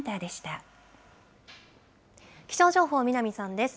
気象情報、南さんです。